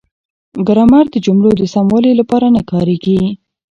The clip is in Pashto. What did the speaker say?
ګرامر د جملو د سموالي لپاره نه کاریږي.